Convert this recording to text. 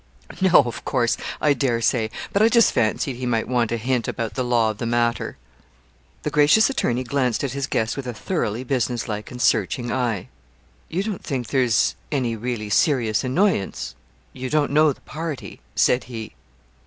'No, of course I dare say but I just fancied he might want a hint about the law of the matter.' The gracious attorney glanced at his guest with a thoroughly business like and searching eye. 'You don't think there's any really serious annoyance you don't know the party?' said he.